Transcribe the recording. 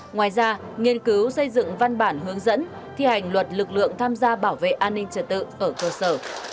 ngoài ra nghiên cứu xây dựng văn bản hướng dẫn thi hành luật lực lượng tham gia bảo vệ an ninh trật tự ở cơ sở